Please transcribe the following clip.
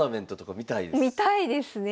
見たいですね。